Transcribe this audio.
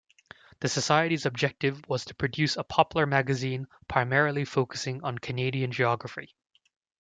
The Society's objective was to produce a popular magazine primarily focusing on Canadian geography.